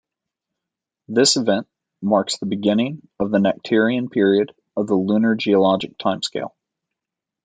This event marks the beginning of Nectarian period of the lunar geologic timescale.